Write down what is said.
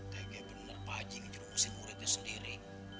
tapi benar pak ji ini juga sekuritas sendiri